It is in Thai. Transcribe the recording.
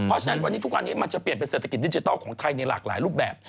เพราะฉะนั้นวันนี้ทุกวันนี้มันจะเปลี่ยนเป็นเศรษฐกิจดิจิทัลของไทยในหลากหลายรูปแบบ